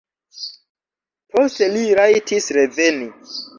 Poste li rajtis reveni.